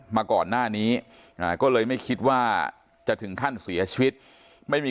มาก่อนหน้านี้ก็เลยไม่คิดว่าจะถึงขั้นเสียชีวิตไม่มี